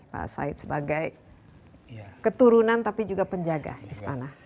pak said sebagai keturunan tapi juga penjaga istana